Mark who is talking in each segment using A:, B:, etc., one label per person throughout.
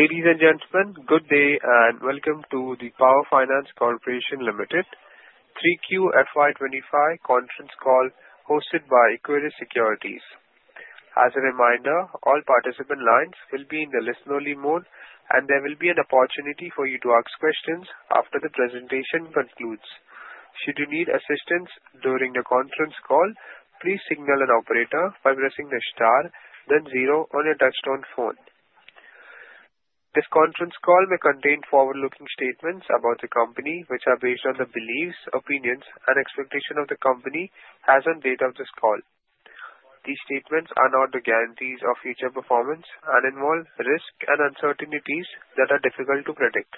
A: Ladies and gentlemen, good day and welcome to the Power Finance Corporation Limited 3Q FY 2025 conference call hosted by Equirus Securities. As a reminder, all participant lines will be in the listen-only mode, and there will be an opportunity for you to ask questions after the presentation concludes. Should you need assistance during the conference call, please signal an operator by pressing the star, then zero on your touch-tone phone. This conference call may contain forward-looking statements about the company, which are based on the beliefs, opinions, and expectations of the company as of the date of this call. These statements are not the guarantees of future performance and involve risks and uncertainties that are difficult to predict.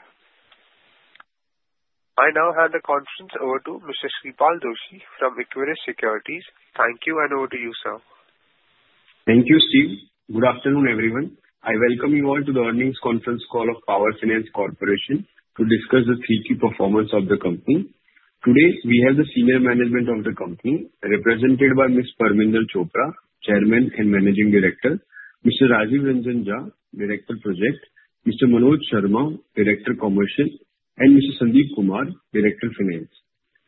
A: I now hand the conference over to Mr. Shreepal Doshi from Equirus Securities. Thank you, and over to you, sir.
B: Thank you, Steve. Good afternoon, everyone. I welcome you all to the earnings conference call of Power Finance Corporation to discuss the 3Q performance of the company. Today, we have the senior management of the company represented by Ms. Parminder Chopra, Chairman and Managing Director, Mr. Rajiv Ranjan Jha, Director Projects, Mr. Manoj Sharma, Director Commercial, and Mr. Sandeep Kumar, Director Finance.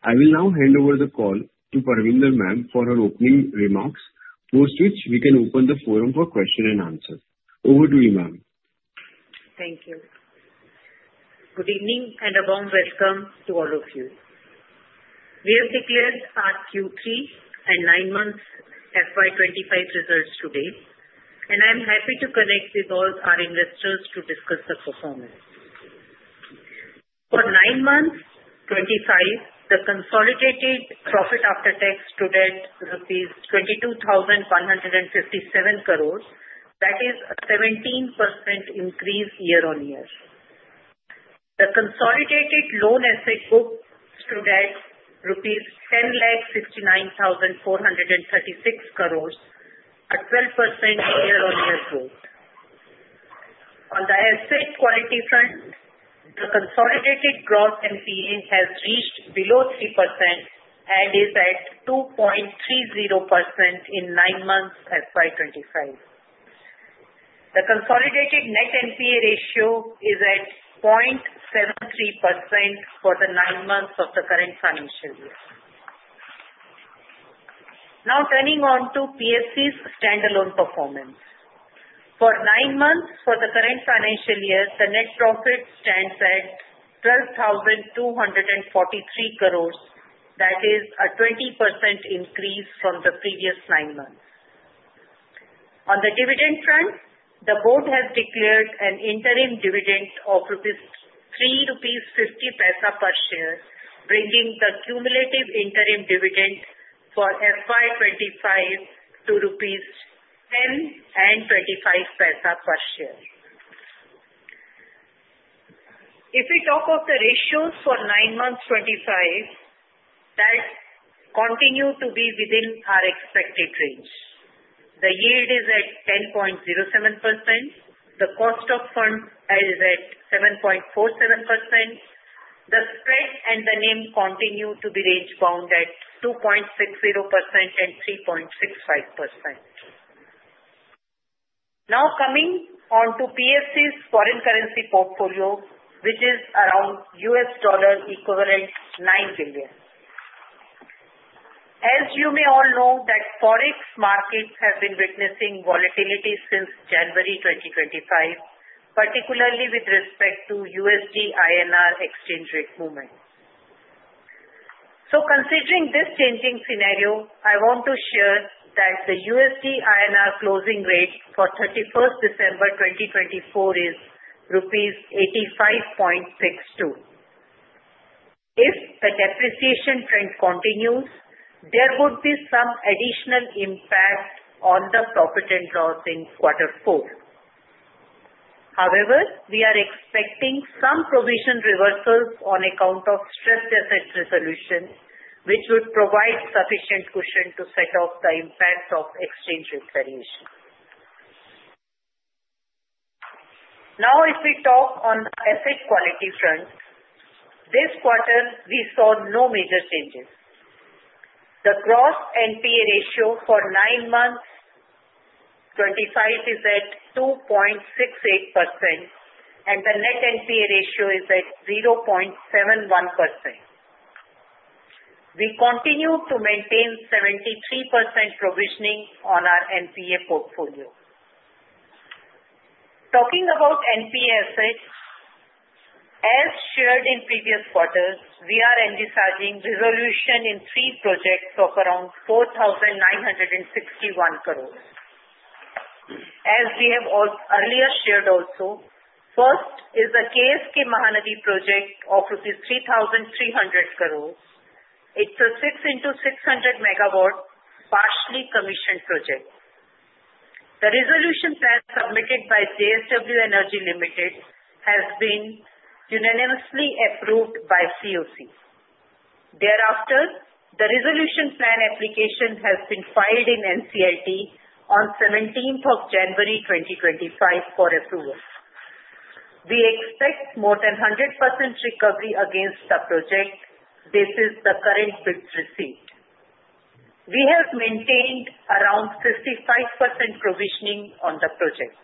B: I will now hand over the call to Parminder ma'am for her opening remarks, post which we can open the forum for question and answer. Over to you, ma'am.
C: Thank you. Good evening and a warm welcome to all of you. We have declared past Q3 and nine months FY 2025 results today, and I'm happy to connect with all our investors to discuss the performance. For nine months FY 2025, the consolidated profit after tax today is rupees 22,157 crores. That is a 17% increase year on year. The consolidated loan asset book today is rupees 10,69,436 crores, a 12% year-on-year growth. On the asset quality front, the consolidated gross NPA has reached below 3% and is at 2.30% in nine months FY 2025. The consolidated net NPA ratio is at 0.73% for the nine months of the current financial year. Now turning on to PFC's standalone performance. For nine months for the current financial year, the net profit stands at 12,243 crores. That is a 20% increase from the previous nine months. On the dividend front, the board has declared an interim dividend of 3.50 rupees per share, bringing the cumulative interim dividend for FY 2025 to INR 10.25 per share. If we talk of the ratios for nine months '25, that continues to be within our expected range. The yield is at 10.07%. The cost of funds is at 7.47%. The spread and the NIM continue to be range bound at 2.60% and 3.65%. Now coming on to PFC's foreign currency portfolio, which is around $9 billion. As you may all know, that forex markets have been witnessing volatility since January 2025, particularly with respect to USD/INR exchange rate movements. So considering this changing scenario, I want to share that the USD/INR closing rate for 31st December 2024 is rupees 85.62. If the depreciation trend continues, there would be some additional impact on the profit and loss in quarter four. However, we are expecting some provision reversals on account of stressed asset resolution, which would provide sufficient cushion to set off the impact of exchange rate variation. Now, if we talk on the asset quality front, this quarter we saw no major changes. The gross NPA ratio for nine months '25 is at 2.68%, and the net NPA ratio is at 0.71%. We continue to maintain 73% provisioning on our NPA portfolio. Talking about NPA assets, as shared in previous quarters, we are envisaging resolution in three projects of around 4,961 crores. As we have earlier shared also, first is the KSK Mahanadi project of INR 3,300 crores. It's a 6 into 600 megawatt partially commissioned project. The resolution plan submitted by JSW Energy Limited has been unanimously approved by COC. Thereafter, the resolution plan application has been filed in NCLT on 17th of January 2025 for approval. We expect more than 100% recovery against the project basis the current bids received. We have maintained around 55% provisioning on the project.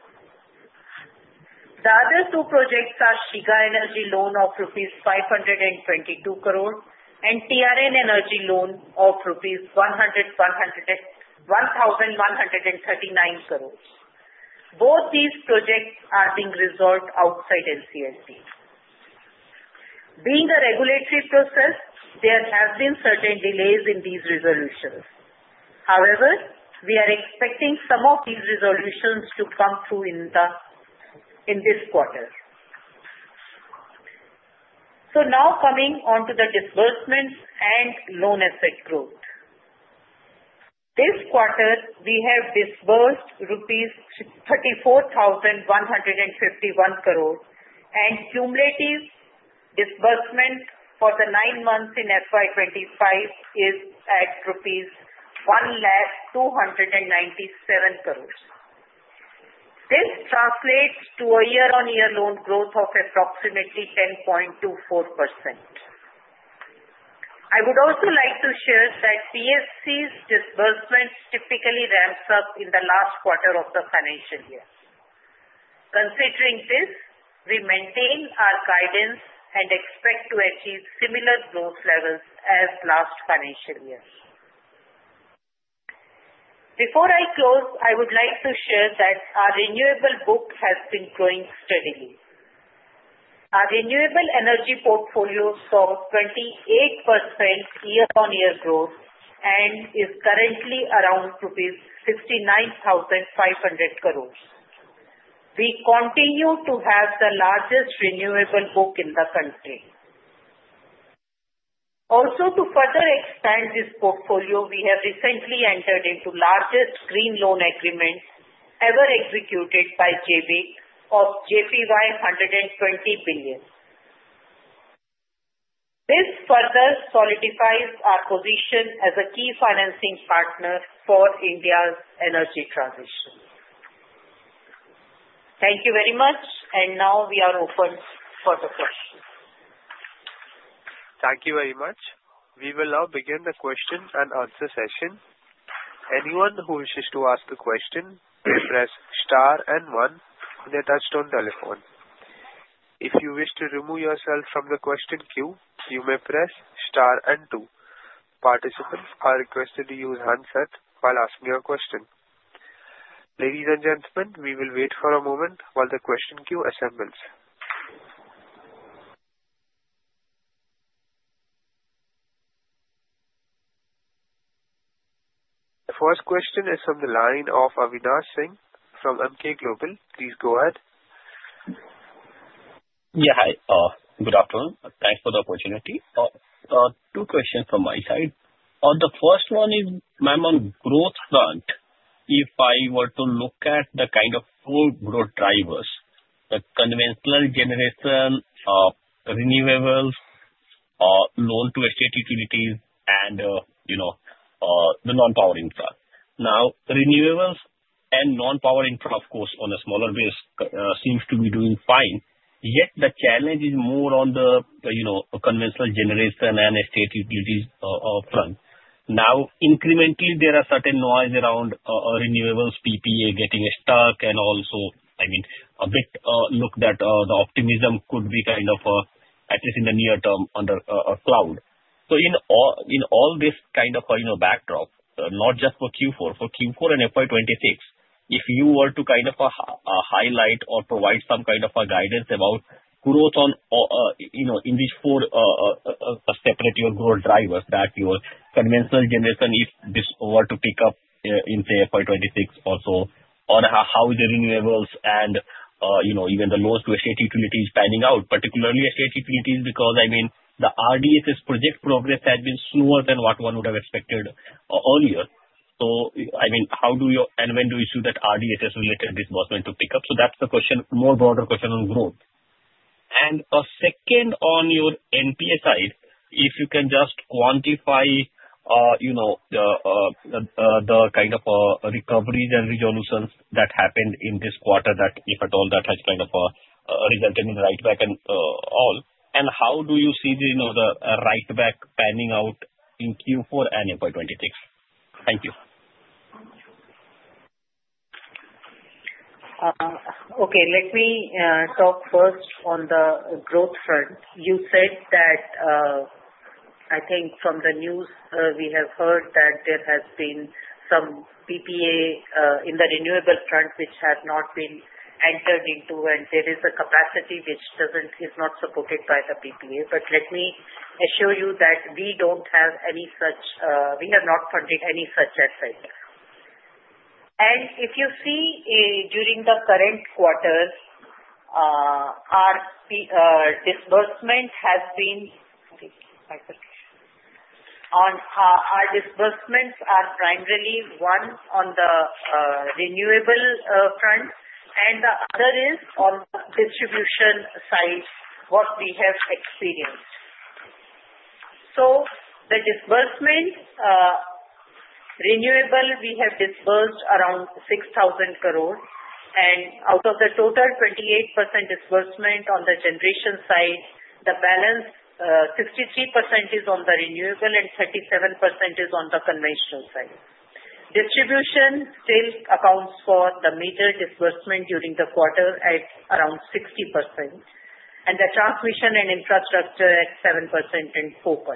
C: The other two projects are Shiga Energy loan of 522 crores rupees and TRN Energy loan of 1,139 crores rupees. Both these projects are being resolved outside NCLT. Being a regulatory process, there have been certain delays in these resolutions. However, we are expecting some of these resolutions to come through in this quarter. So now coming on to the disbursements and loan asset growth. This quarter, we have disbursed rupees 34,151 crores, and cumulative disbursement for the nine months in FY 2025 is at INR 1,297 crores. This translates to a year-on-year loan growth of approximately 10.24%. I would also like to share that PFC's disbursements typically ramps up in the last quarter of the financial year. Considering this, we maintain our guidance and expect to achieve similar growth levels as last financial year. Before I close, I would like to share that our renewable book has been growing steadily. Our renewable energy portfolio saw 28% year-on-year growth and is currently around ₹69,500 crores. We continue to have the largest renewable book in the country. Also, to further expand this portfolio, we have recently entered into the largest green loan agreement ever executed by JBIC of JPY 120 billion. This further solidifies our position as a key financing partner for India's energy transition. Thank you very much, and now we are open for the questions.
A: Thank you very much. We will now begin the question and answer session. Anyone who wishes to ask a question may press star and one on their touch-tone telephone. If you wish to remove yourself from the question queue, you may press star and two. Participants are requested to use handset while asking your question. Ladies and gentlemen, we will wait for a moment while the question queue assembles. The first question is from the line of Avinash Singh from Emkay Global. Please go ahead.
D: Yeah, hi. Good afternoon. Thanks for the opportunity. Two questions from my side. The first one is, ma'am, on growth front, if I were to look at the kind of four growth drivers: the conventional generation, renewables, loan-to-state utilities, and the non-power infra. Now, renewables and non-power infra, of course, on a smaller base, seems to be doing fine. Yet the challenge is more on the conventional generation and state utilities front. Now, incrementally, there are certain noise around renewables PPA getting stuck and also, I mean, a bit looked at the optimism could be kind of, at least in the near term, under a cloud. So in all this kind of backdrop, not just for Q4, for Q4 and FY 2026, if you were to kind of highlight or provide some kind of guidance about growth in these four separate growth drivers that your conventional generation, if this were to pick up in FY 2026 also, or how the renewables and even the loans-to-state utilities panning out, particularly state utilities, because, I mean, the RDSS project progress has been slower than what one would have expected earlier. So, I mean, how do you and when do you see that RDSS-related disbursement to pick up? So that's the question, more broader question on growth. Second, on your NPA side, if you can just quantify the kind of recoveries and resolutions that happened in this quarter, that if at all that has kind of resulted in write-back and all, and how do you see the write-back panning out in Q4 and FY 2026? Thank you.
C: Okay. Let me talk first on the growth front. You said that, I think from the news, we have heard that there has been some PPA in the renewable front which has not been entered into, and there is a capacity which is not supported by the PPA. But let me assure you that we don't have any such. We have not funded any such asset. And if you see during the current quarter, our disbursements are primarily one on the renewable front, and the other is on the distribution side, what we have experienced. So the disbursement renewable, we have disbursed around ₹ 6,000 crores, and out of the total 28% disbursement on the generation side, the balance 63% is on the renewable and 37% is on the conventional side. Distribution still accounts for the major disbursement during the quarter at around 60%, and the transmission and infrastructure at 7% and 4%.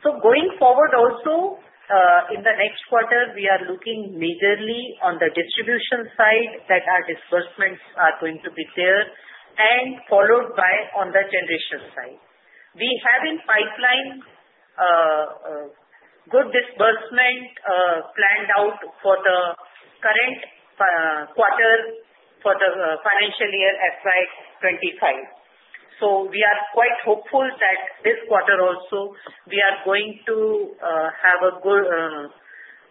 C: So going forward also, in the next quarter, we are looking majorly on the distribution side that our disbursements are going to be there, and followed by on the generation side. We have in pipeline good disbursement planned out for the current quarter for the financial year FY 2025. So we are quite hopeful that this quarter also we are going to have good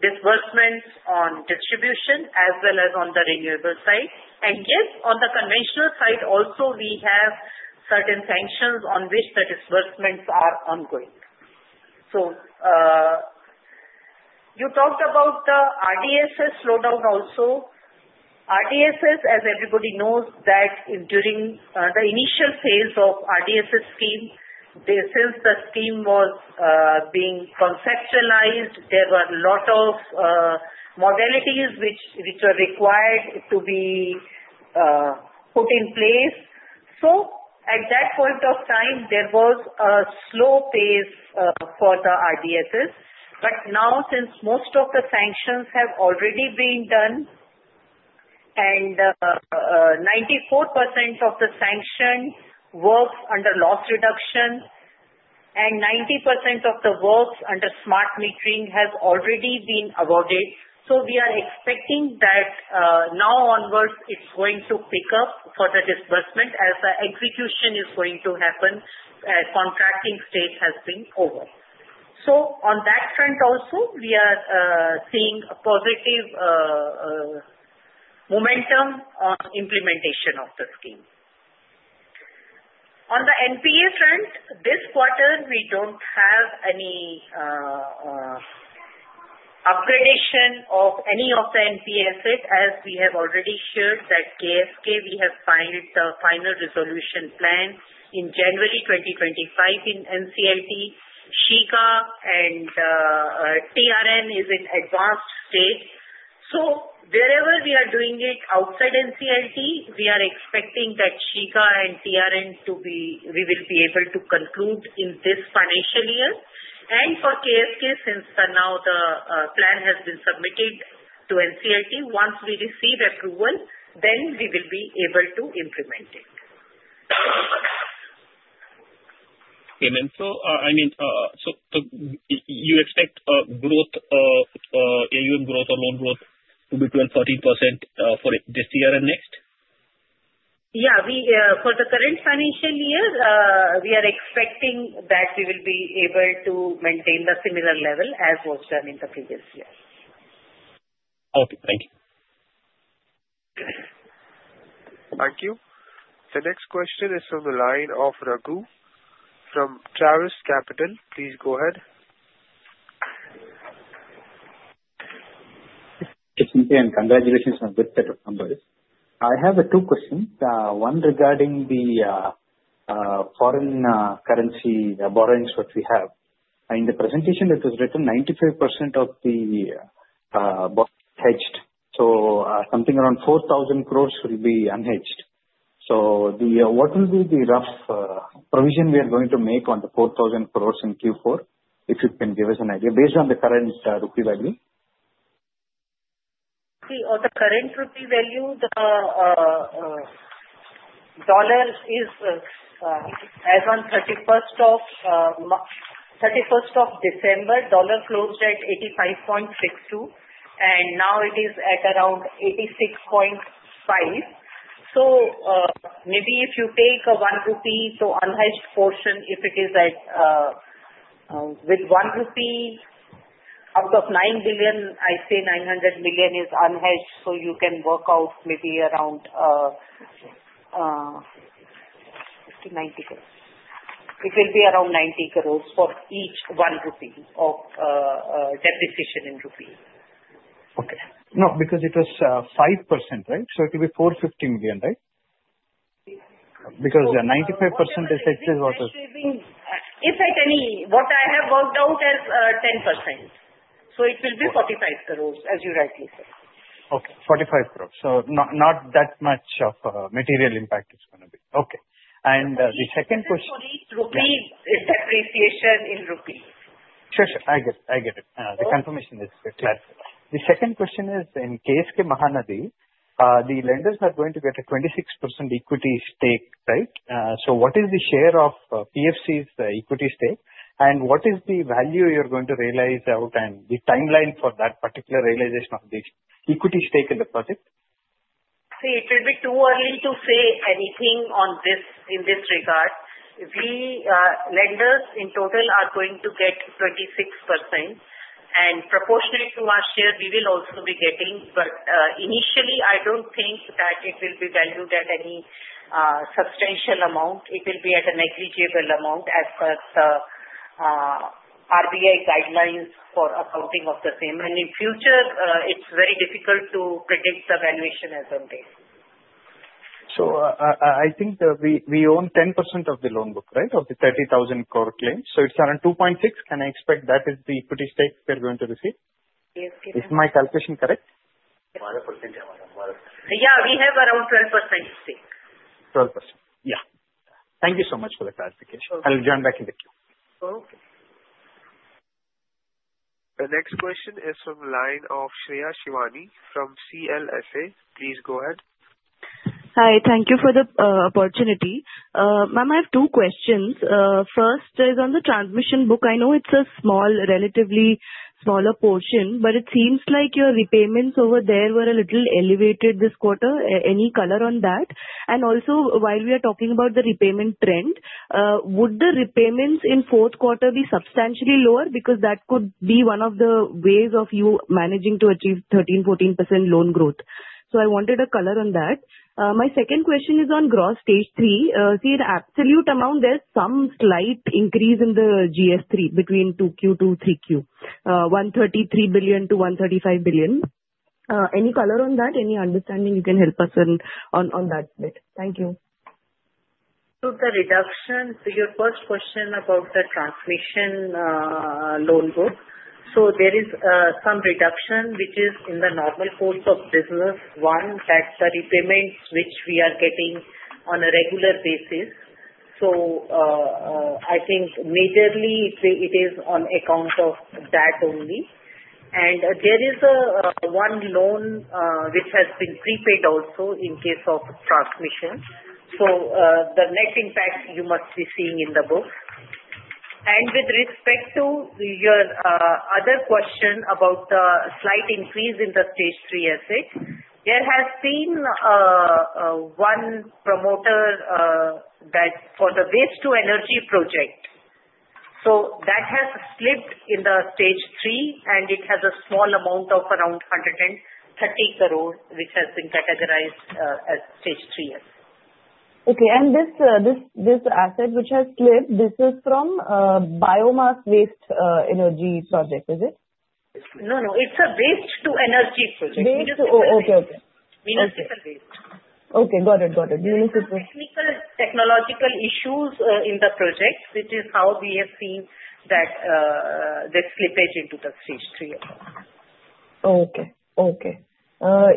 C: disbursements on distribution as well as on the renewable side. And yet, on the conventional side also, we have certain sanctions on which the disbursements are ongoing. So you talked about the RDSS slowdown also. RDSS, as everybody knows, that during the initial phase of RDSS scheme, since the scheme was being conceptualized, there were a lot of modalities which were required to be put in place, so at that point of time, there was a slow pace for the RDSS. But now, since most of the sanctions have already been done, and 94% of the sanction works under loss reduction, and 90% of the works under smart metering have already been awarded, so we are expecting that now onwards it's going to pick up for the disbursement as the execution is going to happen as contracting stage has been over, so on that front also, we are seeing a positive momentum on implementation of the scheme. On the NPA front, this quarter, we don't have any upgradation of any of the NPA assets, as we have already shared that KSK, we have filed the final resolution plan in January 2025 in NCLT. Shiga and TRN is in advanced state. So wherever we are doing it outside NCLT, we are expecting that Shiga and TRN we will be able to conclude in this financial year. And for KSK, since now the plan has been submitted to NCLT, once we receive approval, then we will be able to implement it.
D: Okay. I mean, you expect AUM growth or loan growth to be 12%-13% for this year and next?
C: Yeah. For the current financial year, we are expecting that we will be able to maintain the similar level as was done in the previous year.
D: Okay. Thank you.
A: Thank you. The next question is from the line of Raghu from Travis Capital. Please go ahead.
E: Excuse me, and congratulations on a good set of numbers. I have two questions. One regarding the foreign currency borrowings that we have. In the presentation, it was written 95% of the borrowing is hedged. So something around 4,000 crores will be unhedged. So what will be the rough provision we are going to make on the 4,000 crores in Q4, if you can give us an idea based on the current rupee value?
C: See, on the current rupee value, the dollar is as on 31st of December, dollar closed at $85.62, and now it is at around $86.5. So maybe if you take a 1 rupee, so unhedged portion, if it is at with 1 rupee out of $9 billion, I'd say $900 million is unhedged, so you can work out maybe around 90 crores. It will be around 90 crores for each 1 rupee of depreciation in rupee.
E: Okay. No, because it was 5%, right? So it will be 450 million, right? Because 95% is what?
C: If at any rate, what I have worked out as 10%. So it will be 45 crores, as you rightly said.
E: Okay. 450 million. So not that much of a material impact is going to be. Okay. And the second question.
C: It's rupee depreciation in rupee.
E: Sure, sure. I get it. I get it. The confirmation is clear. The second question is, in KSK Mahanadi, the lenders are going to get a 26% equity stake, right? So what is the share of PFC's equity stake, and what is the value you're going to realize out, and the timeline for that particular realization of the equity stake in the project?
C: See, it will be too early to say anything in this regard. The lenders in total are going to get 26%, and proportionate to our share, we will also be getting. But initially, I don't think that it will be valued at any substantial amount. It will be at an agreeable amount as per the RBI guidelines for accounting of the same. And in future, it's very difficult to predict the valuation as of date.
E: I think we own 10% of the loan book, right, of the 30,000 crore claims. It's around 2.6. Can I expect that is the equity stake we're going to receive?
C: Yes.
E: Is my calculation correct?
C: Yeah. We have around 12% stake.
E: 12%. Yeah. Thank you so much for the clarification. I'll join back in a few.
A: Okay. The next question is from the line of Shreya Shivani from CLSA. Please go ahead.
F: Hi. Thank you for the opportunity. Ma'am, I have two questions. First is on the transmission book. I know it's a relatively smaller portion, but it seems like your repayments over there were a little elevated this quarter. Any color on that? And also, while we are talking about the repayment trend, would the repayments in fourth quarter be substantially lower? Because that could be one of the ways of you managing to achieve 13%-14% loan growth. So I wanted a color on that. My second question is on gross stage three. See, in absolute amount, there's some slight increase in the GS3 between 2Q to 3Q, 133 billion-135 billion. Any color on that? Any understanding you can help us on that bit? Thank you.
C: The reduction to your first question about the transmission loan book, so there is some reduction, which is in the normal course of business, one, that the repayments which we are getting on a regular basis. So I think majorly it is on account of that only. And there is one loan which has been prepaid also in case of transmission. So the net impact you must be seeing in the book. And with respect to your other question about the slight increase in the Stage 3 asset, there has been one promoter that for the waste-to-energy project. So that has slipped in the Stage 3, and it has a small amount of around 130 crore, which has been categorized as Stage 3 asset.
F: Okay. And this asset which has slipped, this is from biomass waste energy project, is it?
C: No, no. It's a waste-to-energy project.
F: Okay. Got it.
C: Technical issues in the project, which is how we have seen that slippage into the Stage 3 asset.
F: Okay.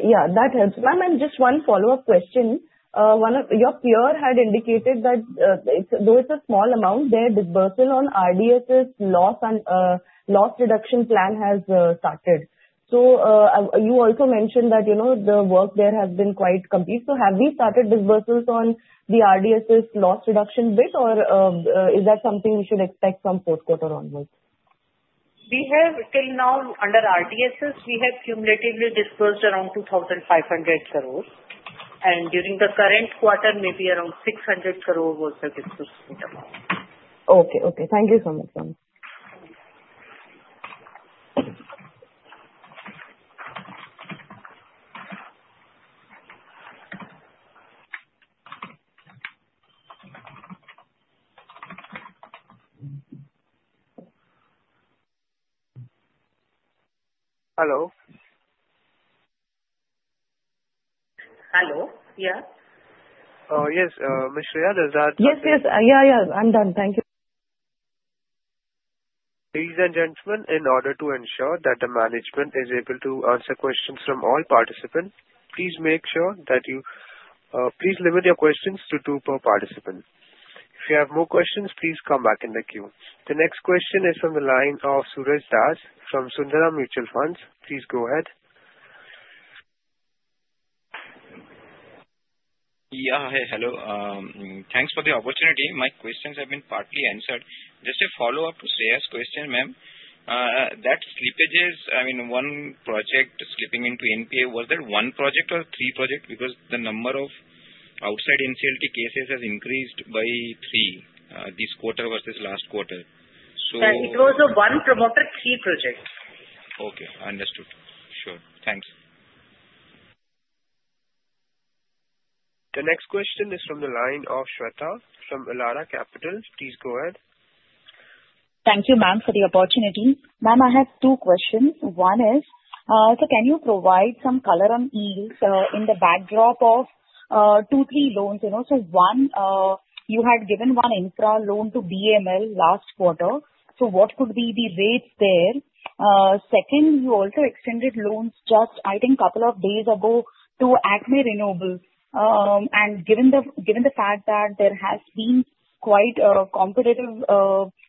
F: Yeah. That helps. Ma'am, and just one follow-up question. Your peer had indicated that though it's a small amount, their disbursal on RDSS loss reduction plan has started. So you also mentioned that the work there has been quite complete. So have we started disbursals on the RDSS loss reduction bit, or is that something we should expect from fourth quarter onwards?
C: We have till now under RDSS, we have cumulatively disbursed around 2,500 crore. And during the current quarter, maybe around 600 crore was the disbursement amount.
F: Okay. Okay. Thank you so much, ma'am.
A: Hello?
C: Hello? Yeah.
A: Yes. Ms. Shreya, does that?
F: Yes, yes. Yeah, yeah. I'm done. Thank you.
A: Ladies and gentlemen, in order to ensure that the management is able to answer questions from all participants, please make sure that you please limit your questions to two per participant. If you have more questions, please come back in the queue. The next question is from the line of Suraj Das from Sundaram Mutual Fund. Please go ahead.
G: Yeah. Hi. Hello. Thanks for the opportunity. My questions have been partly answered. Just a follow-up to Shreya's question, ma'am. That slippage is, I mean, one project slipping into NPA. Was that one project or three projects? Because the number of outside NCLT cases has increased by three this quarter versus last quarter. So.
C: It was one promoter three projects.
G: Okay. Understood. Sure. Thanks.
A: The next question is from the line of Shweta from Elara Capital. Please go ahead.
H: Thank you, ma'am, for the opportunity. Ma'am, I have two questions. One is, so can you provide some color on the backdrop of two, three loans? So one, you had given one infra loan to BEML last quarter. So what could be the rates there? Second, you also extended loans just, I think, a couple of days ago to ACME Renewables. And given the fact that there has been quite competitive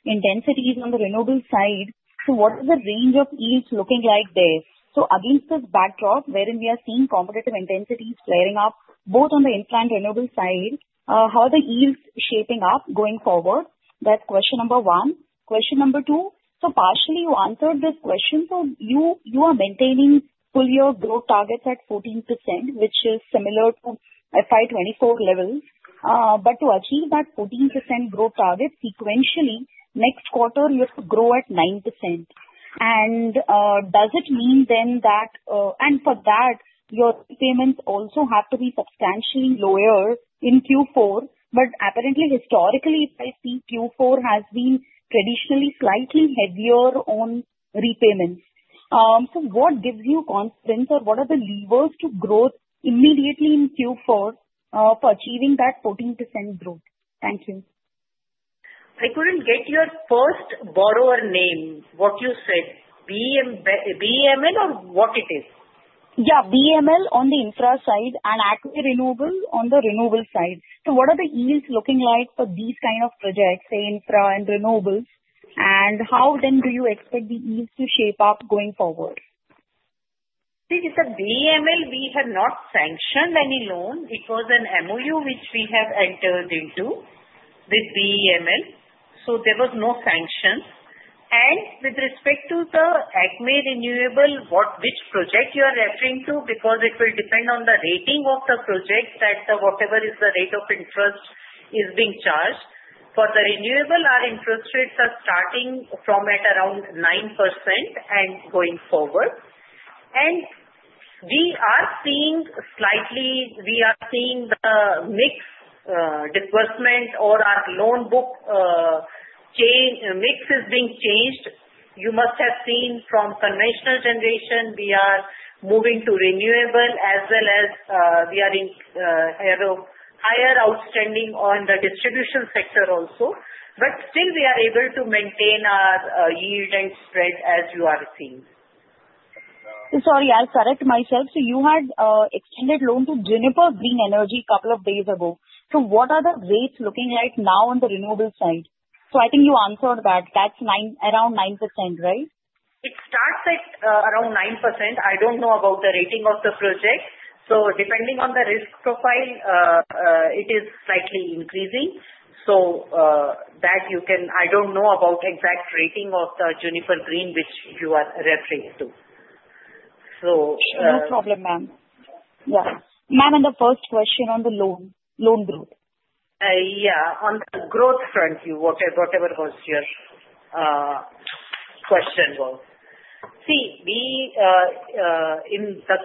H: intensities on the renewables side, so what is the range of yields looking like there? So against this backdrop, wherein we are seeing competitive intensities flaring up both on the infra and renewables side, how are the yields shaping up going forward? That's question number one. Question number two, so partially you answered this question. So you are maintaining full year growth targets at 14%, which is similar to FY 2024 levels. But to achieve that 14% growth target, sequentially, next quarter, you have to grow at 9%. And does it mean then that, and for that, your repayments also have to be substantially lower in Q4? But apparently, historically, I see Q4 has been traditionally slightly heavier on repayments. So what gives you confidence, or what are the levers to grow immediately in Q4 for achieving that 14% growth? Thank you.
C: I couldn't get your first borrower name, what you said. BEML or what it is?
H: Yeah. BEML on the infra side and ACME Renewables on the renewables side. So what are the yields looking like for these kind of projects, say, infra and renewables? And how then do you expect the yields to shape up going forward?
C: See, with the BEML, we have not sanctioned any loan. It was an MOU which we have entered into with BEML. So there was no sanction. And with respect to the ACME Renewables, which project you are referring to, because it will depend on the rating of the project that whatever is the rate of interest is being charged. For the renewables, our interest rates are starting from at around 9% and going forward. And we are seeing slightly the mix disbursement or our loan book mix is being changed. You must have seen from conventional generation, we are moving to renewable as well as we are in higher outstanding on the distribution sector also. But still, we are able to maintain our yield and spread as you are seeing.
H: Sorry, I'll correct myself. So you had extended loan to Juniper Green Energy a couple of days ago. So what are the rates looking like now on the renewables side? So I think you answered that. That's around 9%, right?
C: It starts at around 9%. I don't know about the rating of the project. So depending on the risk profile, it is slightly increasing. So that you can, I don't know about exact rating of the Juniper Green, which you are referring to.
H: No problem, ma'am. Yeah, ma'am, and the first question on the loan growth.
C: Yeah. On the growth front, whatever your question was. See, in the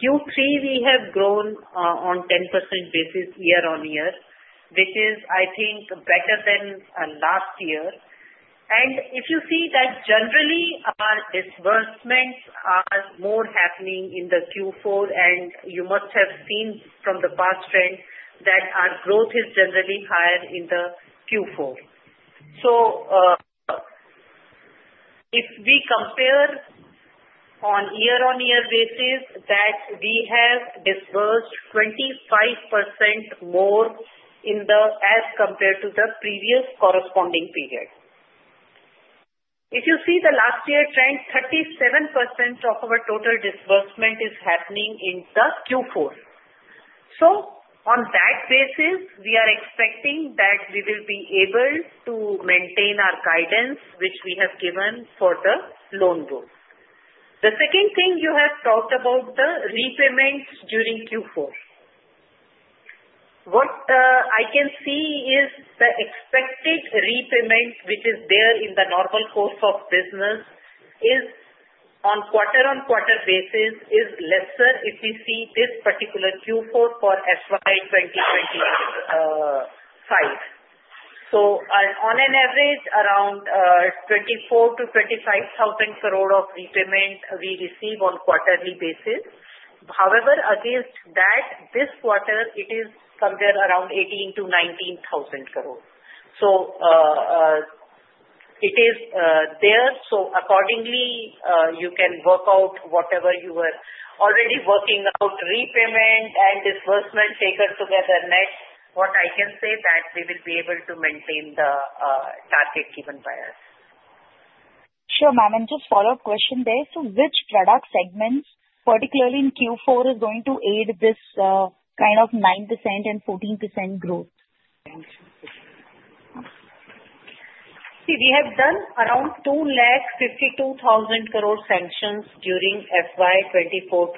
C: Q3, we have grown on 10% basis year on year, which is, I think, better than last year, and if you see that generally, our disbursements are more happening in the Q4, and you must have seen from the past trend that our growth is generally higher in the Q4, so if we compare on year-on-year basis, that we have disbursed 25% more as compared to the previous corresponding period. If you see the last year trend, 37% of our total disbursement is happening in the Q4, so on that basis, we are expecting that we will be able to maintain our guidance, which we have given for the loan book. The second thing you have talked about, the repayments during Q4. What I can see is the expected repayment, which is there in the normal course of business, is on quarter-on-quarter basis, is lesser if we see this particular Q4 for FY 2025. So on an average, around 24-25 thousand crore of repayment we receive on quarterly basis. However, against that, this quarter, it is somewhere around 18-19 thousand crore. So it is there. So accordingly, you can work out whatever you were already working out, repayment and disbursement taken together. Next, what I can say that we will be able to maintain the target given by us.
H: Sure, ma'am. And just follow-up question there. So which product segments, particularly in Q4, is going to aid this kind of 9% and 14% growth?
C: Sanctions. See, we have done around 252,000 crore sanctions during FY 24-25,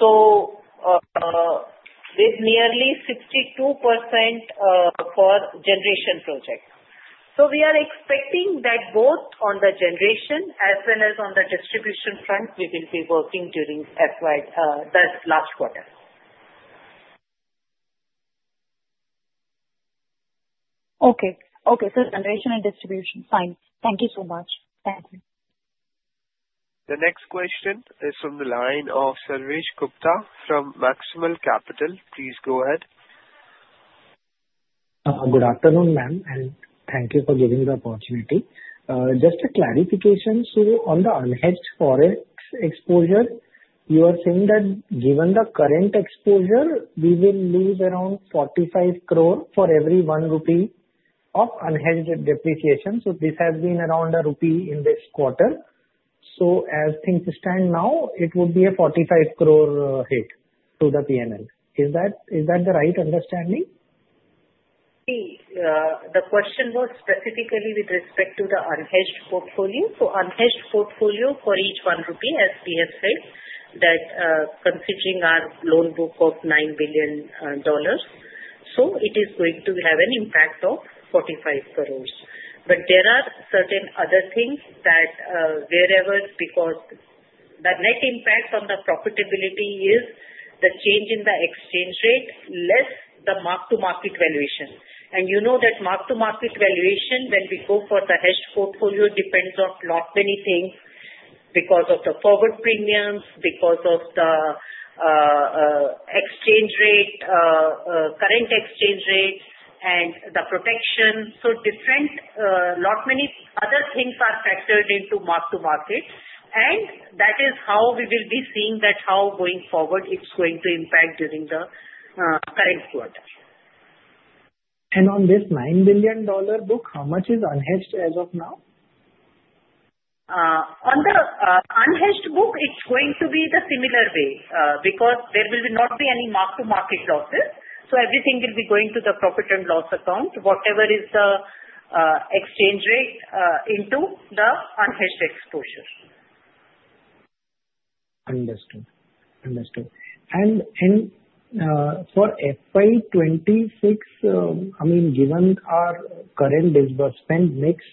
C: so with nearly 62% for generation projects, so we are expecting that both on the generation as well as on the distribution front, we will be working during the last quarter.
H: Okay. Okay. So generation and distribution. Fine. Thank you so much. Thank you.
A: The next question is from the line of Sarvesh Gupta from Maximal Capital. Please go ahead.
I: Good afternoon, ma'am, and thank you for giving the opportunity. Just a clarification. So on the unhedged forex exposure, you are saying that given the current exposure, we will lose around 45 crore for every one rupee of unhedged depreciation. So this has been around a rupee in this quarter. So as things stand now, it would be a 45 crore hit to the P&L. Is that the right understanding?
C: See, the question was specifically with respect to the unhedged portfolio. So unhedged portfolio for each one rupee, as we have said, that considering our loan book of $9 billion, so it is going to have an impact of 45 crores. But there are certain other things that wherever, because the net impact on the profitability is the change in the exchange rate less the mark-to-market valuation. And you know that mark-to-market valuation, when we go for the hedged portfolio, depends on not many things because of the forward premiums, because of the exchange rate, current exchange rate, and the protection. So not many other things are factored into mark-to-market. And that is how we will be seeing that how going forward it's going to impact during the current quarter.
I: On this $9 billion book, how much is unhedged as of now?
C: On the unhedged book, it's going to be the similar way because there will not be any mark-to-market losses. So everything will be going to the profit and loss account, whatever is the exchange rate into the unhedged exposure.
I: Understood. Understood. And for FY 26, I mean, given our current disbursement mix,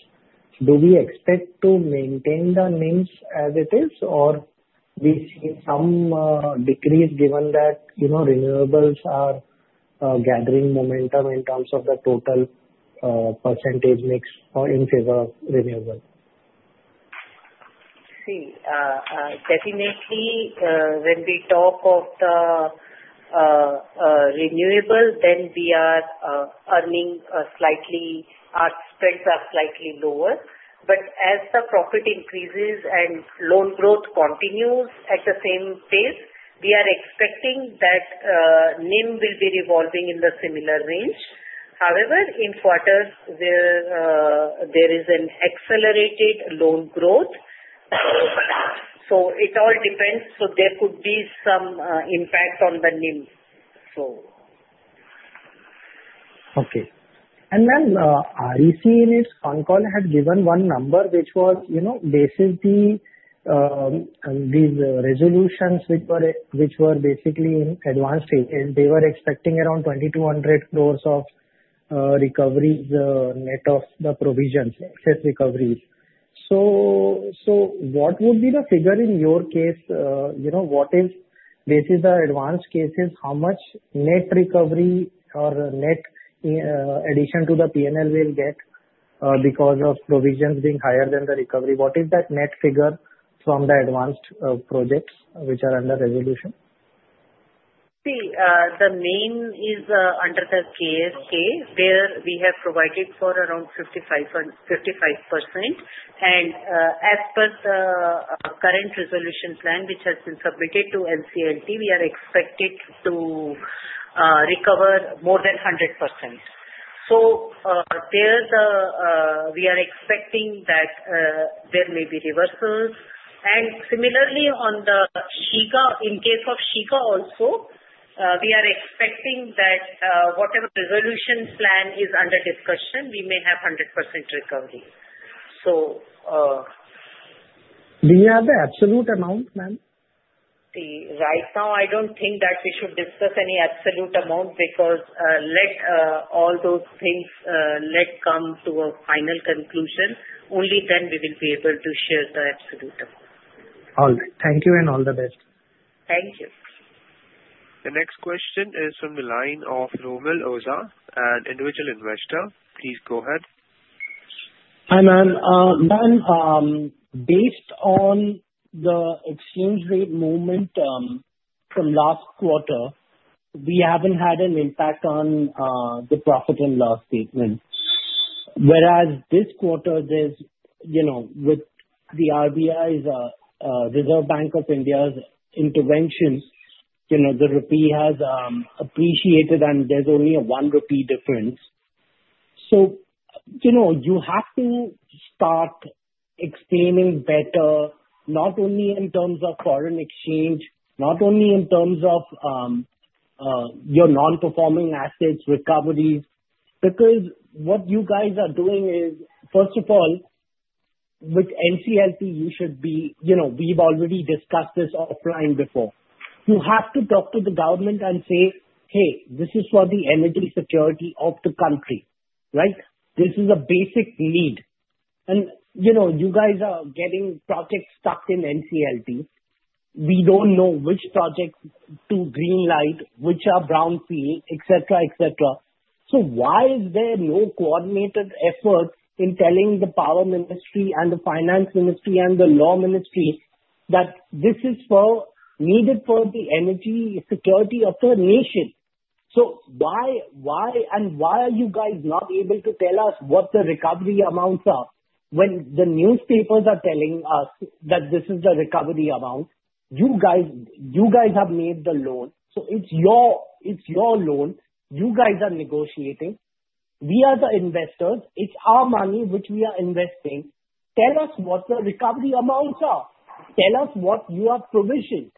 I: do we expect to maintain the NIMs as it is, or we see some decrease given that renewables are gathering momentum in terms of the total percentage mix in favor of renewable?
C: See, definitely, when we talk of the renewable, then we are earning slightly our spreads are slightly lower. But as the profit increases and loan growth continues at the same pace, we are expecting that NIM will be revolving in the similar range. However, in quarters where there is an accelerated loan growth, so it all depends, so there could be some impact on the NIM.
I: Okay, and then REC, in its phone call, had given one number, which was basically these resolutions which were basically in advanced stage. They were expecting around 2,200 crores of recoveries net of the provisions, excess recoveries. So what would be the figure in your case? What is, basically, the advanced cases, how much net recovery or net addition to the P&L will get because of provisions being higher than the recovery? What is that net figure from the advanced projects which are under resolution?
C: See, the main is under the KSK, where we have provided for around 55%. As per the current resolution plan, which has been submitted to NCLT, we are expected to recover more than 100%. So, we are expecting that there may be reversals. Similarly, on the Shiga, in case of Shiga also, we are expecting that whatever resolution plan is under discussion, we may have 100% recovery. So.
I: Do you have the absolute amount, ma'am?
C: See, right now, I don't think that we should discuss any absolute amount because, let all those things come to a final conclusion. Only then we will be able to share the absolute amount.
I: All right. Thank you and all the best.
C: Thank you.
A: The next question is from the line of Romil Oza, an individual investor. Please go ahead. Hi, ma'am. Ma'am, based on the exchange rate movement from last quarter, we haven't had an impact on the profit and loss statement. Whereas this quarter, with the RBI's Reserve Bank of India's intervention, the rupee has appreciated, and there's only a one rupee difference. So you have to start explaining better, not only in terms of foreign exchange, not only in terms of your non-performing assets recoveries, because what you guys are doing is, first of all, with NCLT, you should be we've already discussed this offline before. You have to talk to the government and say, "Hey, this is for the energy security of the country," right? This is a basic need. And you guys are getting projects stuck in NCLT. We don't know which projects to greenlight, which are brownfield, etc., etc. So why is there no coordinated effort in telling the Power Ministry and the Finance Ministry and the Law Ministry that this is needed for the energy security of the nation? So why and why are you guys not able to tell us what the recovery amounts are when the newspapers are telling us that this is the recovery amount? You guys have made the loan. So it's your loan. You guys are negotiating. We are the investors. It's our money which we are investing. Tell us what the recovery amounts are. Tell us what you have provisioned.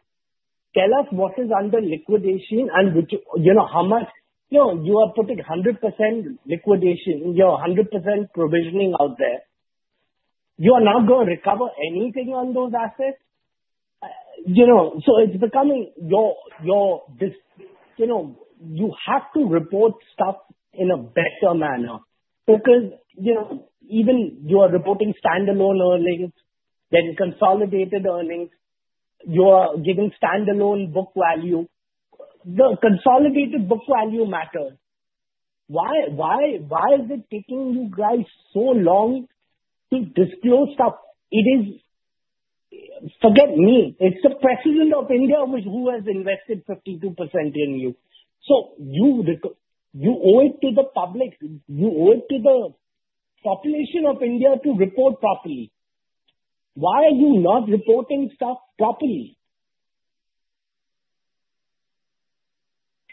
A: Tell us what is under liquidation and how much you are putting 100% liquidation, 100% provisioning out there. You are not going to recover anything on those assets. So it's becoming your you have to report stuff in a better manner because even you are reporting standalone earnings, then consolidated earnings. You are giving standalone book value. The consolidated book value matters. Why is it taking you guys so long to disclose stuff? It is not for me. It's the president of India who has invested 52% in you. So you owe it to the public. You owe it to the population of India to report properly. Why are you not reporting stuff properly?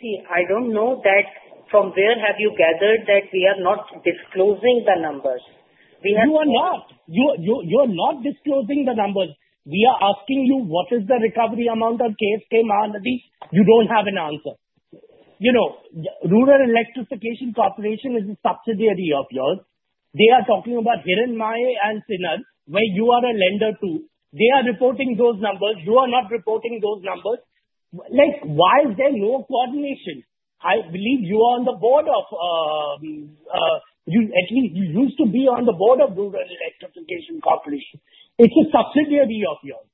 C: See, I don't know that from where have you gathered that we are not disclosing the numbers. We have. You are not. You are not disclosing the numbers. We are asking you, what is the recovery amount of KSK Mahanadi? You don't have an answer. Rural Electrification Corporation is a subsidiary of yours. They are talking about Hiranmaye and Sinnar, where you are a lender too. They are reporting those numbers. You are not reporting those numbers. Why is there no coordination? I believe you are on the board of at least you used to be on the board of Rural Electrification Corporation. It is a subsidiary of yours.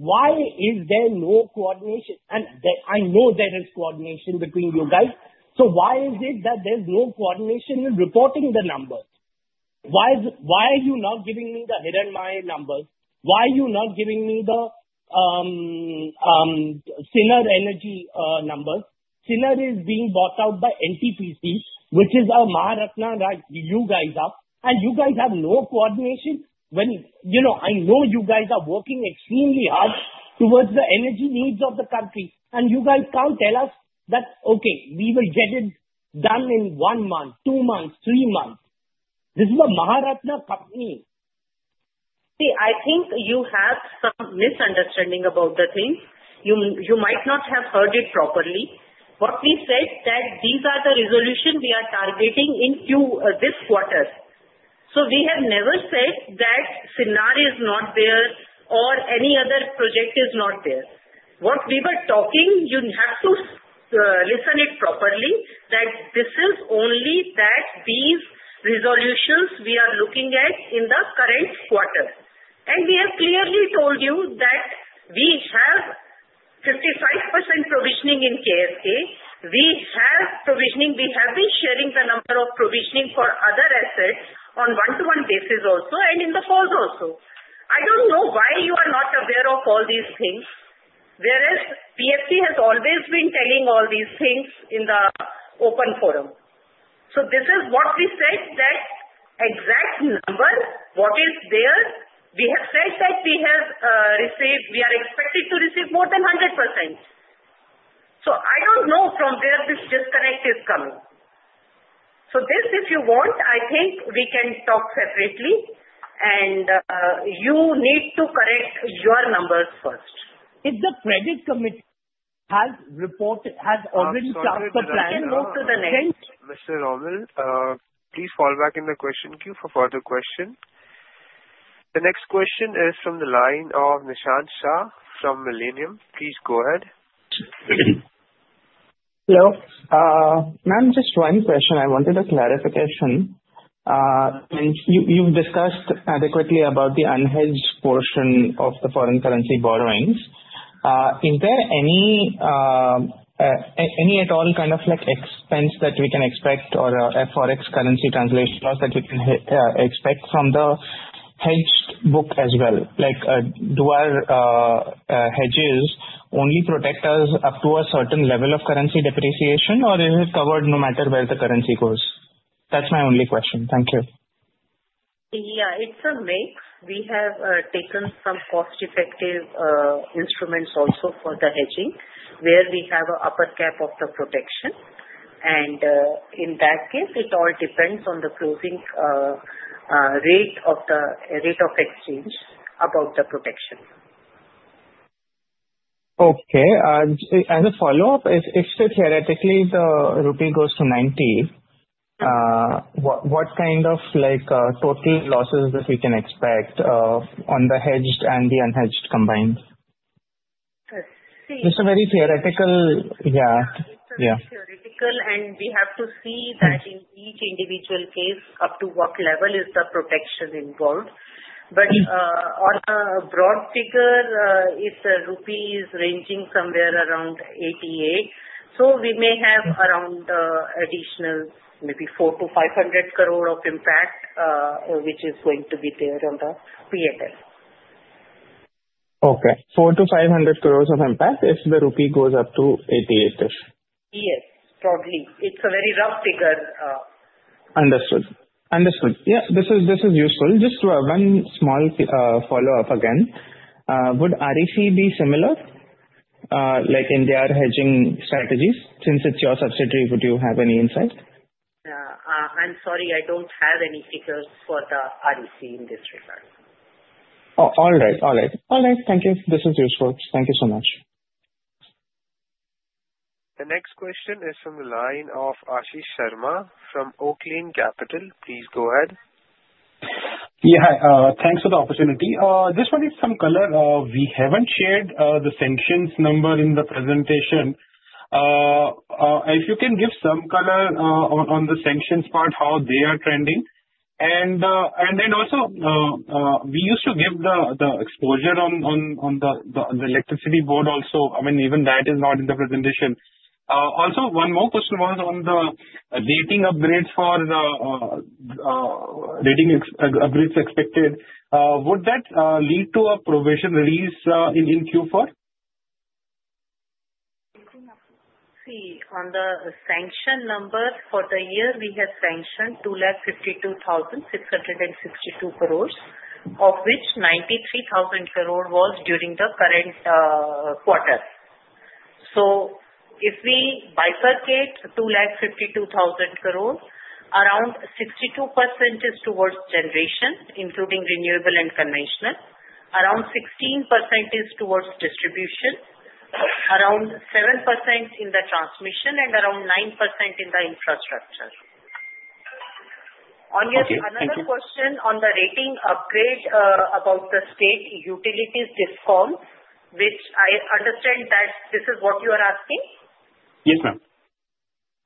C: Why is there no coordination? And I know there is coordination between you guys. So why is it that there's no coordination in reporting the numbers? Why are you not giving me the Hiranmaye numbers? Why are you not giving me the Sinnar Energy numbers? Sinnar is being bought out by NTPC, which is a Maharatna that you guys are. You guys have no coordination when I know you guys are working extremely hard towards the energy needs of the country. You guys can't tell us that, "Okay, we will get it done in one month, two months, three months." This is a Maharatna company. See, I think you have some misunderstanding about the thing. You might not have heard it properly. What we said that these are the resolutions we are targeting in this quarter. So we have never said that Sinnar is not there or any other project is not there. What we were talking, you have to listen to it properly, that this is only that these resolutions we are looking at in the current quarter. We have clearly told you that we have 55% provisioning in KSK. We have provisioning. We have been sharing the number of provisioning for other assets on one-to-one basis also and in the calls also. I don't know why you are not aware of all these things, whereas PFC has always been telling all these things in the open forum. So this is what we said, that exact number, what is there. We have said that we have received we are expected to receive more than 100%. So I don't know from where this disconnect is coming. So this, if you want, I think we can talk separately, and you need to correct your numbers first. If the credit committee has reported, has already passed the plan.
A: Mr. Romil, please fall back in the question queue for further questions. The next question is from the line of Nishant Shah from Millennium. Please go ahead.
J: Hello. Ma'am, just one question. I wanted a clarification, and you've discussed adequately about the unhedged portion of the foreign currency borrowings. Is there any at all kind of expense that we can expect or a forex currency translation that we can expect from the hedged book as well? Do our hedges only protect us up to a certain level of currency depreciation, or is it covered no matter where the currency goes? That's my only question. Thank you.
C: Yeah, it's a mix. We have taken some cost-effective instruments also for the hedging, where we have an upper cap of the protection, and in that case, it all depends on the closing rate of the rate of exchange about the protection.
J: Okay. As a follow-up, if theoretically the rupee goes to 90, what kind of total losses that we can expect on the hedged and the unhedged combined?
C: See.
J: Just a very theoretical, yeah.
C: It's very theoretical, and we have to see that in each individual case up to what level is the protection involved. But on a broad figure, if the rupee is ranging somewhere around 88, so we may have around additional maybe 4-500 crore of impact, which is going to be there on the P&L.
J: Okay. 4 crore-500 crore of impact if the rupee goes up to 88?
C: Yes, probably. It's a very rough figure.
J: Understood. Understood. Yeah, this is useful. Just one small follow-up again. Would REC be similar in their hedging strategies? Since it's your subsidiary, would you have any insight?
C: Yeah. I'm sorry, I don't have any figures for the REC in this regard.
J: All right. Thank you. This is useful. Thank you so much.
A: The next question is from the line of Ashish Sharma from Oaklane Capital. Please go ahead.
K: Yeah. Thanks for the opportunity. Just wanted some color. We haven't shared the sanctions number in the presentation. If you can give some color on the sanctions part, how they are trending. And then also, we used to give the exposure on the electricity board also. I mean, even that is not in the presentation. Also, one more question was on the rating upgrades for the rating upgrades expected. Would that lead to a provision release in Q4?
C: See, on the sanction numbers for the year, we have sanctioned 252,662 crores, of which 93,000 crores was during the current quarter. So if we bifurcate 252,000 crores, around 62% is towards generation, including renewable and conventional. Around 16% is towards distribution. Around 7% in the transmission and around 9% in the infrastructure. On your another question on the rating upgrade about the state utilities discount, which I understand that this is what you are asking?
K: Yes, ma'am.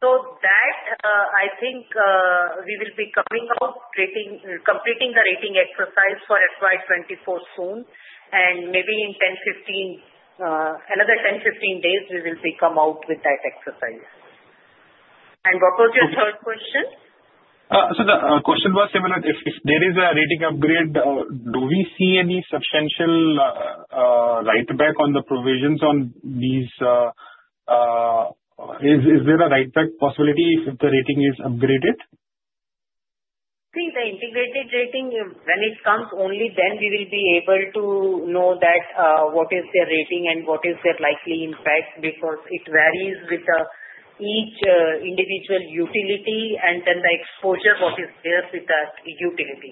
C: So that, I think we will be coming out completing the rating exercise for FY 2024 soon. And maybe in 10-15, another 10-15 days, we will come out with that exercise. And what was your third question?
K: So the question was similar. If there is a rating upgrade, do we see any substantial write-back on the provisions on these? Is there a write-back possibility if the rating is upgraded?
C: See, the integrated rating, when it comes only, then we will be able to know what is their rating and what is their likely impact because it varies with each individual utility and then the exposure, what is there with that utility.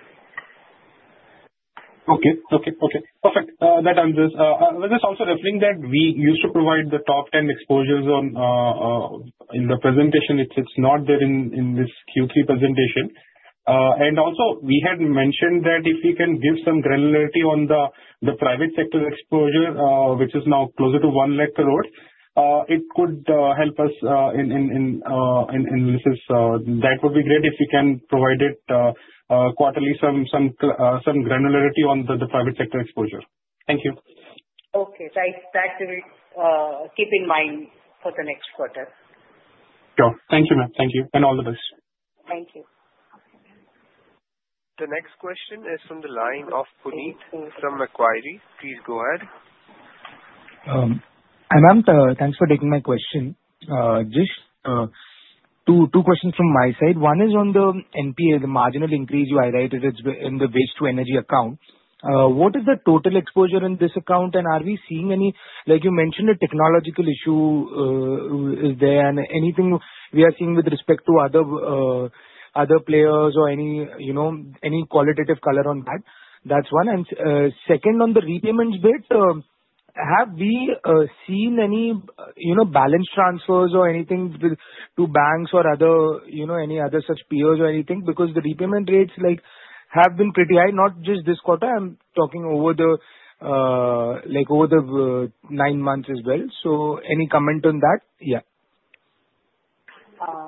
K: Okay. Okay. Okay. Perfect. That answers. I was just also referring that we used to provide the top 10 exposures in the presentation. It's not there in this Q3 presentation. And also, we had mentioned that if we can give some granularity on the private sector exposure, which is now closer to 1 lakh crore, it could help us in this is that would be great if you can provide it quarterly, some granularity on the private sector exposure. Thank you.
C: Okay. Right. That we keep in mind for the next quarter.
K: Sure. Thank you, ma'am. Thank you, and all the best.
C: Thank you.
A: The next question is from the line of Puneet from Equirus. Please go ahead.
L: Hi, ma'am. Thanks for taking my question. Just two questions from my side. One is on the NPA, the marginal increase you highlighted in the waste-to-energy account. What is the total exposure in this account? And are we seeing any, like you mentioned, a technological issue is there? And anything we are seeing with respect to other players or any qualitative color on that? That's one. And second, on the repayments bit, have we seen any balance transfers or anything to banks or any other such peers or anything? Because the repayment rates have been pretty high, not just this quarter. I'm talking over the nine months as well. So any comment on that? Yeah.
C: Hello.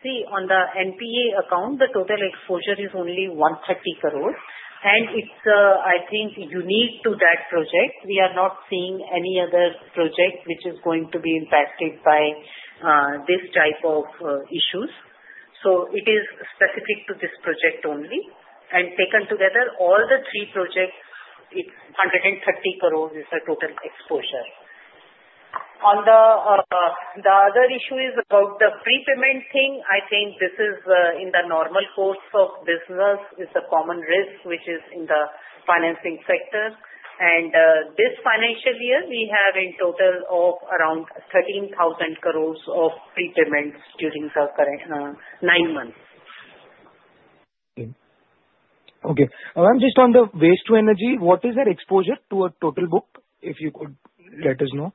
C: See, on the NPA account, the total exposure is only 130 crores. And it's, I think, unique to that project. We are not seeing any other project which is going to be impacted by this type of issues. So it is specific to this project only. And taken together, all the three projects, it's 130 crores is the total exposure. On the other issue is about the prepayment thing. I think this is in the normal course of business. It's a common risk, which is in the financing sector. And this financial year, we have in total of around 13,000 crores of prepayments during the nine months.
L: Okay. Ma'am, just on the waste-to-energy, what is that exposure to a total book? If you could let us know.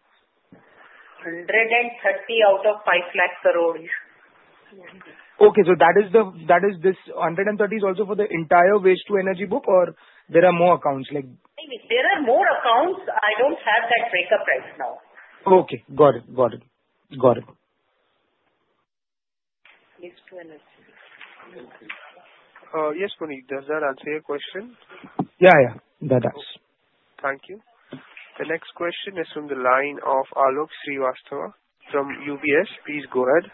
C: 130 out of INR 5 lakh crores.
L: Okay. So that is this 130 is also for the entire waste-to-energy book, or there are more accounts?
C: There are more accounts. I don't have that breakup right now.
L: Okay. Got it.
A: Yes, Puneet, does that answer your question?
L: Yeah. Yeah. That does.
A: Thank you. The next question is from the line of Alok Srivastava from UBS. Please go ahead.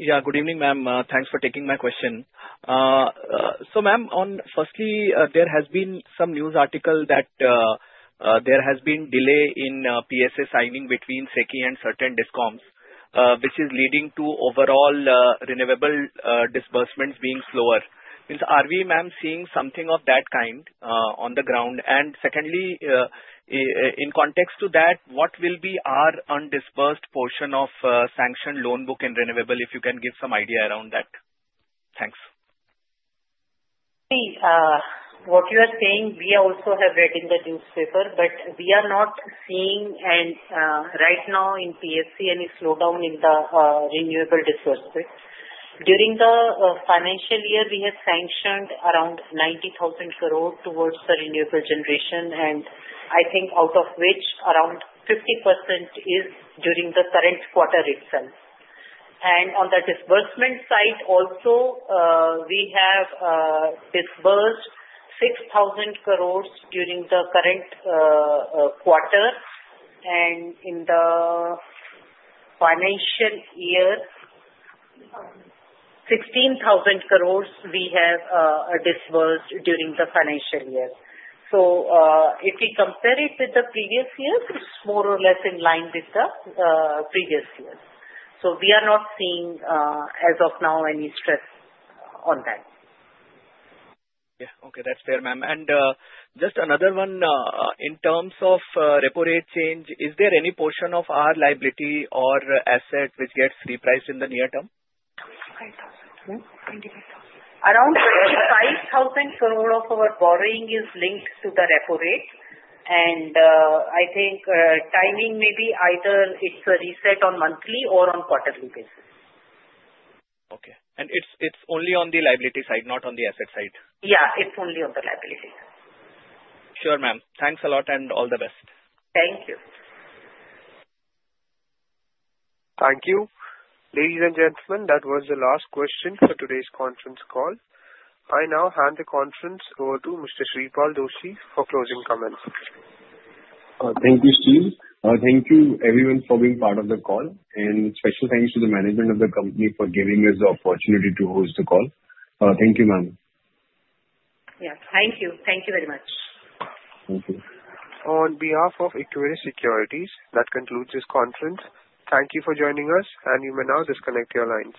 M: Yeah. Good evening, ma'am. Thanks for taking my question. So, ma'am, firstly, there has been some news article that there has been delay in PSA signing between SECI and certain discoms, which is leading to overall renewable disbursements being slower. Are we, ma'am, seeing something of that kind on the ground? And secondly, in context to that, what will be our undisbursed portion of sanctioned loan book and renewable, if you can give some idea around that? Thanks.
C: See, what you are saying, we also have read in the newspaper, but we are not seeing right now in PSC any slowdown in the renewable disbursement. During the financial year, we have sanctioned around 90,000 crores towards the renewable generation, and I think out of which around 50% is during the current quarter itself. And on the disbursement side, also, we have disbursed 6,000 crores during the current quarter. And in the financial year, 16,000 crores we have disbursed during the financial year. So if we compare it with the previous year, it's more or less in line with the previous year. So we are not seeing, as of now, any stress on that.
M: Yeah. Okay. That's fair, ma'am. And just another one, in terms of repo rate change, is there any portion of our liability or asset which gets repriced in the near term?
C: 25,000. Around 5,000 crores of our borrowing is linked to the repo rate, and I think timing may be either it's a reset on monthly or on quarterly basis.
M: Okay. And it's only on the liability side, not on the asset side?
C: Yeah. It's only on the liability.
M: Sure, ma'am. Thanks a lot, and all the best.
C: Thank you.
A: Thank you. Ladies and gentlemen, that was the last question for today's conference call. I now hand the conference over to Shreepal Doshi for closing comments.
B: Thank you, Steve. Thank you, everyone, for being part of the call, and special thanks to the management of the company for giving us the opportunity to host the call. Thank you, ma'am.
C: Yes. Thank you. Thank you very much.
B: Thank you.
A: On behalf of Equirus Securities, that concludes this conference. Thank you for joining us, and you may now disconnect your lines.